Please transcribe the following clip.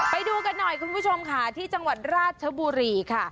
ไปดูกันหน่อยคุณผู้ชมค่ะที่จังหวัดราชบุรีค่ะ